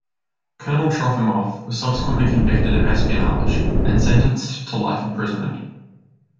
Colonel Trofimoff was subsequently convicted of espionage and sentenced to life imprisonment.